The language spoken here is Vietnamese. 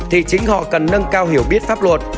thì chính họ cần nâng cao hiểu biết pháp luật